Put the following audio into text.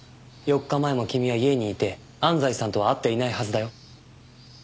４日前も君は家にいて安西さんとは会っていないはずだよ。